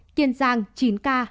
kiên giang chín ca